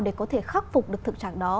để có thể khắc phục được thực tế